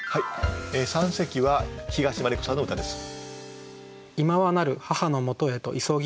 三席は東真理子さんの歌です。